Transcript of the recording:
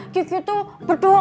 kiki tuh berdoa